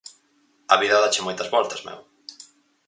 A vida dache moitas voltas, meu.